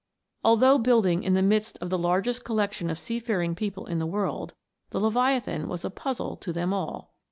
Although building in the midst of the largest collection of seafaring people in the world, the Leviathan was a puzzle to them all.